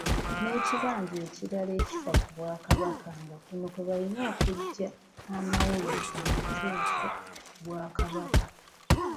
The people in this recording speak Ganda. N’ekibanja ekiraga ebifa ku Bwakabaka nga kuno kwe balina okuggya amawulire amatuufu ku Bwakabaka.